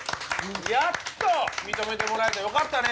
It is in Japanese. やっと認めてもらえてよかったね。